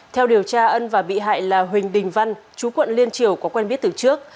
theo điều tra ân và bị hại là huỳnh đình văn chú quận liên triều có quen biết từ trước